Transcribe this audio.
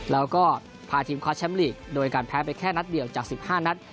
แล้วก็พาทีมคว้าแชมป์ลีกโดยการแพ้ไปแค่นัดเดียวจาก๑๕นัด